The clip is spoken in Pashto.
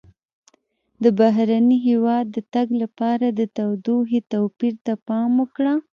د بهرني هېواد د تګ لپاره د تودوخې توپیر ته پام وکړه.